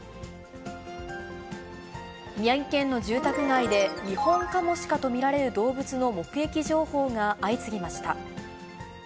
宮城県の住宅街で、ニホンカモシカと見られる動物の目撃情報が相次ぎました。